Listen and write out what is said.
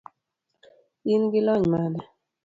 in gi lony mane?